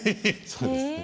そうですね。